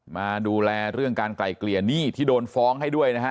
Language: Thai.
มาดูแลเรื่องการไกล่เกลี่ยหนี้ที่โดนฟ้องให้ด้วยนะฮะ